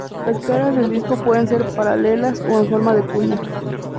Las caras del disco pueden ser paralelas o en forma de cuña.